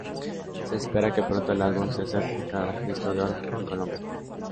Se espera que pronto el álbum sea certificado disco de Oro en Colombia.